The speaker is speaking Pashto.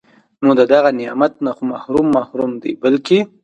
نو د دغه نعمت نه خو محروم محروم دی بلکي